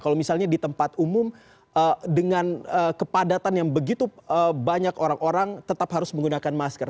kalau misalnya di tempat umum dengan kepadatan yang begitu banyak orang orang tetap harus menggunakan masker